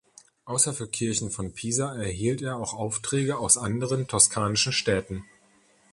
Außer für Kirchen von Pisa erhielt er auch Aufträge aus anderen toskanischen Städten.